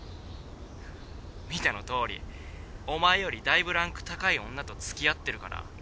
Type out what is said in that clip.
見てのとおりお前よりだいぶランク高い女とつきあってるから。